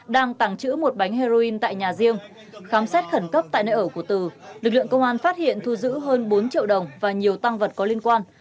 đang tàng trữ một bánh heroin tại nhà riêng khám xét khẩn cấp tại nơi ở của từ lực lượng công an phát hiện thu giữ hơn bốn triệu đồng và nhiều tăng vật có liên quan